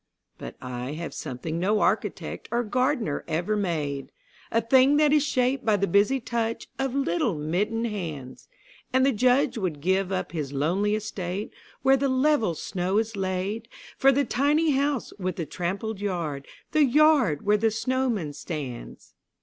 But I have something no architect or gardener ever made, A thing that is shaped by the busy touch of little mittened hands: And the Judge would give up his lonely estate, where the level snow is laid For the tiny house with the trampled yard, the yard where the snowman stands.